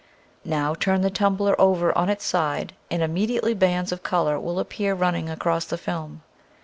Now turn the tumbler over on its side and immediately bands of color will appear running across the film.